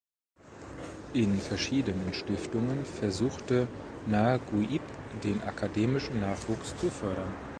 In verschiedenen Stiftungen versuchte Naguib den akademischen Nachwuchs zu fördern.